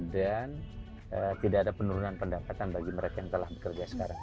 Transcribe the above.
dan tidak ada penurunan pendapatan bagi mereka yang telah bekerja sekarang